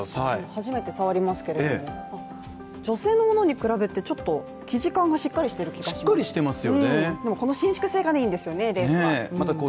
初めて触りますけれども女性のものに比べてちょっと生地感がしっかりしてる気がしますよね。